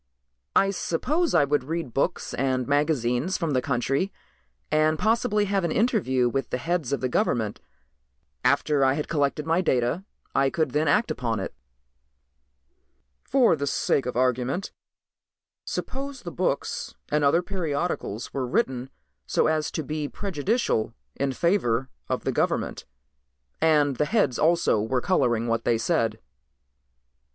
"I suppose I would read books and magazines from the country and possibly have an interview with the heads of the government. After I had collected my data I could then act upon it." "For the sake of argument suppose the books and other periodicals were written so as to be prejudicial in favor of the government, and the heads also were coloring what they said."